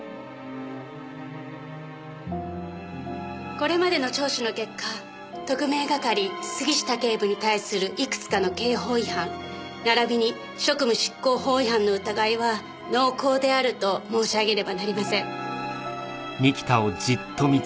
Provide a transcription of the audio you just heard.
これまでの聴取の結果特命係杉下警部に対するいくつかの刑法違反ならびに職務執行法違反の疑いは濃厚であると申し上げねばなりません。